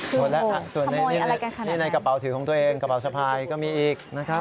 หมดแล้วส่วนในกระเป๋าถือของตัวเองกระเป๋าสะพายก็มีอีกนะครับ